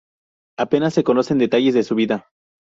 Apenas se conocen detalles de su vida.